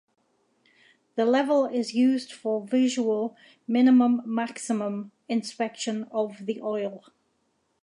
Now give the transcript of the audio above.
The level is used for visual minimum-maximum inspection of the oil.